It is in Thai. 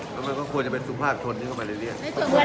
แล้วมันก็ควรจะเป็นสุภาพชนที่เข้ามาในเลี่ย